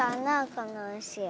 このうしは。